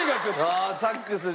ああサックス。